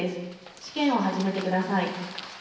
試験を始めてください。